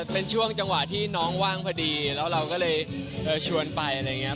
เป็นช่วงจังหวะที่น้องว่างพอดีแล้วเราก็เลยชวนไปอะไรอย่างนี้